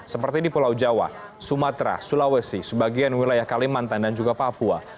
seperti di pulau jawa sumatera sulawesi sebagian wilayah kalimantan dan juga papua